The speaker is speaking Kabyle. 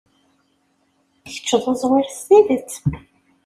Kečč d uẓwir s tidet.